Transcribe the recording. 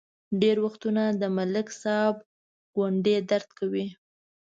ډېر وختونه د ملک صاحب ګونډې درد کوي.